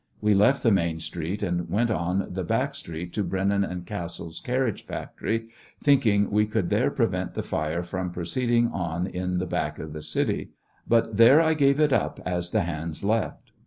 We left the main street and went on the back street to Brennan & Cassell's carriage factory, thinking we could there prevent the fire from proceeding on in the back of the city ; but there I gave it up, as the bands left.